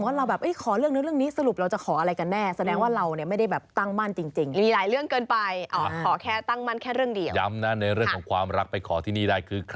เขาบอกสมบูรณ์พูดคุณ